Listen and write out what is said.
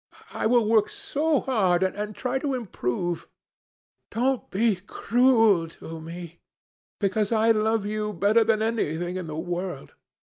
I will work so hard and try to improve. Don't be cruel to me, because I love you better than anything in the world.